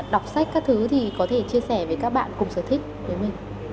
đọc sách các thứ thì có thể chia sẻ với các bạn cùng sở thích với mình